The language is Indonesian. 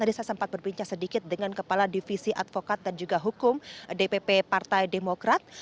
tadi saya sempat berbincang sedikit dengan kepala divisi advokat dan juga hukum dpp partai demokrat